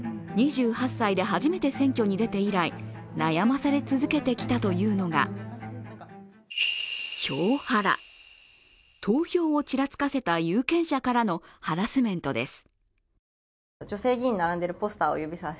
２８歳で初めて選挙に出て以来悩まされ続けてきたというのが票ハラ、投票ちらつかせた有権者からのハラスメントです。